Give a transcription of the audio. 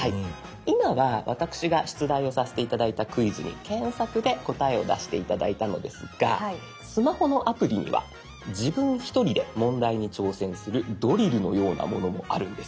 今は私が出題をさせて頂いたクイズに検索で答えを出して頂いたのですがスマホのアプリには自分一人で問題に挑戦するドリルのようなものもあるんです。